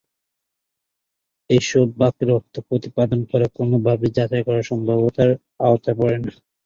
এইসব বাক্যের অর্থ প্রতিপাদন করা কোনোভাবেই যাচাই করার সম্ভাব্যতার আওতায় পড়ে না।